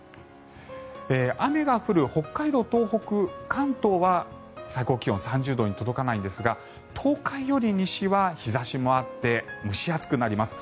雨が降る北海道、東北、関東は最高気温３０度に届かないんですが東海より西は日差しもあって蒸し暑くなります。